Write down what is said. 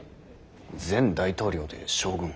前大統領で将軍？